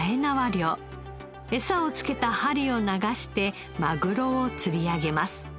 餌を付けた針を流してマグロを釣り上げます。